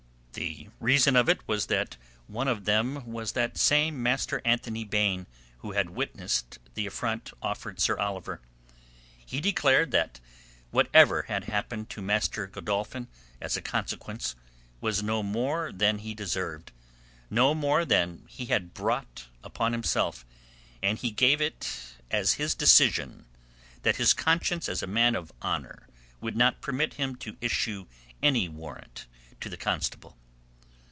The reason of it was that one of them was that same Master Anthony Baine who had witnessed the affront offered Sir Oliver. He declared that whatever had happened to Master Godolphin as a consequence was no more than he deserved, no more than he had brought upon himself, and he gave it as his decision that his conscience as a man of honour would not permit him to issue any warrant to the constable.